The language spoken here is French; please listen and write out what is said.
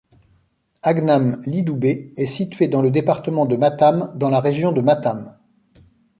Agnam Lidoubé est situé dans le département de Matam, dans la région de Matam.